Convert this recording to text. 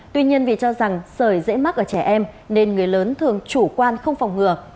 tuy nhiên vì cho rằng sởi dễ mắc ở trẻ em nên người lớn thường chủ quan không phòng ngừa